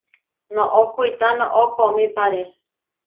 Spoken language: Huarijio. Noʼó kuitá noʼó koomípare.